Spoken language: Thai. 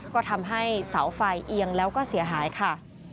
ก็ทำให้เสาไฟเอียงแล้วก็เสียหายค่ะ